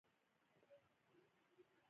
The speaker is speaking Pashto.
داریوش پاچا دا سیمه په خپلو ولایتونو کې راوستله